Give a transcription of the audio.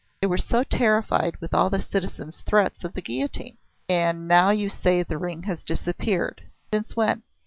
They were so terrified with all the citizen's threats of the guillotine." "And now you say the ring has disappeared. Since when?"